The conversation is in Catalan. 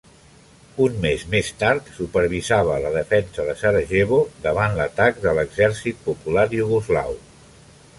Un mes més tard, supervisava la defensa de Sarajevo davant l'atac de l'Exèrcit Popular Iugoslau.